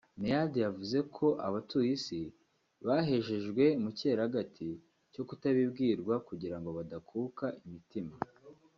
Meade yavuze ko abatuye Isi bahejejwe mu cyeragati cyo kutabibwirwa kugira ngo badakuka imitima